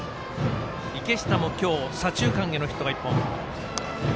池下も今日左中間へのヒットが１本。